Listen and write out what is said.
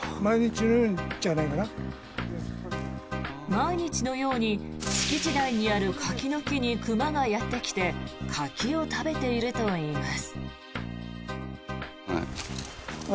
毎日のように敷地内にある柿の木に熊がやってきて柿を食べているといいます。